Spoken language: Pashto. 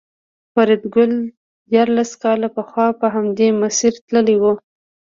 فریدګل دیارلس کاله پخوا په همدې مسیر تللی و